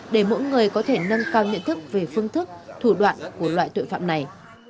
để mỗi người có thể nâng cao nhận thức về phương thức thủ đoạn của loại tội phạm này